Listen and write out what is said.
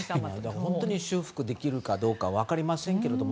本当に修復できるか分かりませんけども